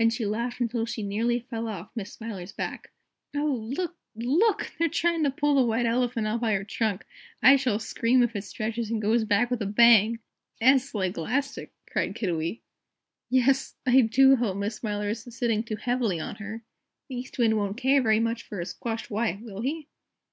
and she laughed until she nearly fell off Miss Smiler's back. "Oh, look! LOOK! They're trying to pull the White Elephant out by her trunk! I shall scream if it stretches and goes back with a bang!" "'Es, like 'lastic," cried Kiddiwee. "Yes! I do hope Miss Smiler isn't sitting too heavily on her; the East Wind won't care very much for a squashed wife, will he?"